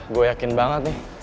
gue yakin banget nih